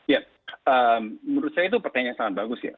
ya menurut saya itu pertanyaan yang sangat bagus ya